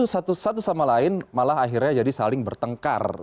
satu satu sama lain malah akhirnya jadi saling bertengkar